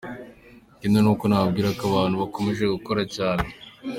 Ikindi nuko nabwira abantu ko nkomeje gukora cyane.